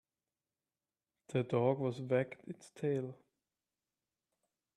The dog was wagged its tail.